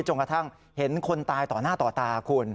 จนกระทั่งเห็นคนตายต่อหน้าต่อตาคุณ